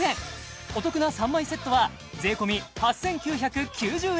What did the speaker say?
お得な３枚セットは税込８９９０円